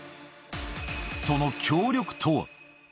その協力とは？